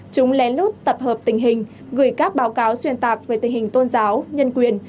chúng lén lút tập hợp tình hình gửi các báo cáo xuyên tạc về tình hình tôn giáo nhân quyền